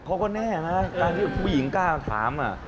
เขาก็แน่นะการที่ผู้หญิงกล้าถาม